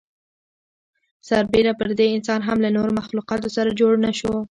سر بېره پر دې انسان هم له نورو مخلوقاتو سره جوړ نهشو.